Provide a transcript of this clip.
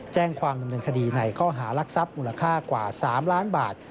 แจ้งความดำเนินคดีในข้อหารักทรัพย์มูลค่ากว่า๓ล้านบาท